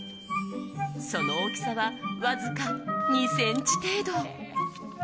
その大きさはわずか２ｃｍ程度。